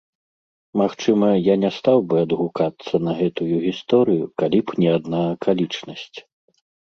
Магчыма, я не стаў бы адгукацца на гэтую гісторыю, калі б не адна акалічнасць.